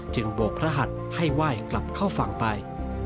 จึงบวกพระหัทธิ์ให้ไหว้กลับเข้าฝั่งไป